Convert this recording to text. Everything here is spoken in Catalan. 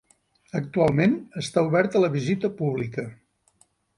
Actualment està obert a la visita pública.